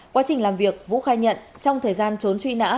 quá trình làm việc vũ khai nhận trong thời gian trốn truy nã